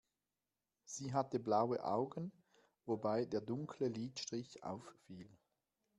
Sie hatte blaue Augen, wobei der dunkle Lidstrich auffiel.